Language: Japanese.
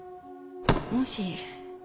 もし。